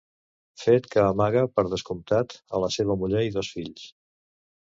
Fet que amaga, per descomptat, a la seva muller i dos fills.